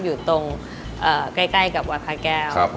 อยู่ตรงใกล้กับวัดพระแก้ว